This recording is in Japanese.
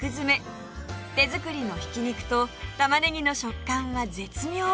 手作りのひき肉と玉ねぎの食感は絶妙